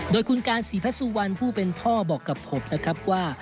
โดยคุณการศรีพระสุวรรณผู้เป็นพ่อบอกกับผมนะครับว่า